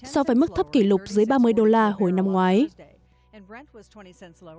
so với mức thấp kỷ lục dưới ba mươi đô la hồi năm ngoái